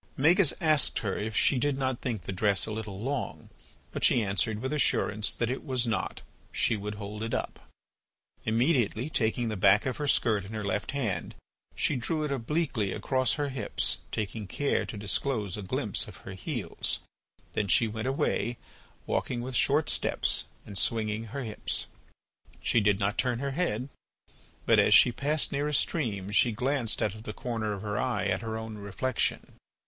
Magis asked her if she did not think the dress a little long, but she answered with assurance that it was not—she would hold it up. Immediately, taking the back of her skirt in her left hand, she drew it obliquely across her hips, taking care to disclose a glimpse of her heels. Then she went away, walking with short steps and swinging her hips. She did not turn her head, but as she passed near a stream she glanced out of the corner of her eye at her own reflection.